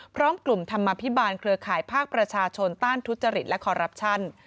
พร้อมกลุ่มธรรมภิบาลเครือข่ายภาคประชาชนต้านทุจริตและคอรัปชั่น